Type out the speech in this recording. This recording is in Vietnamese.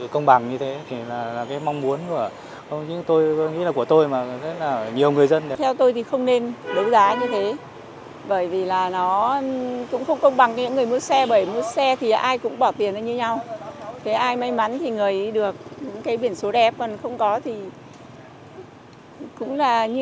cái ai may mắn thì người được những cái biển số đẹp còn không có thì cũng là như nhau thôi đúng không